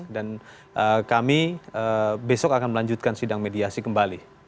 kami besok akan melanjutkan sidang mediasi kembali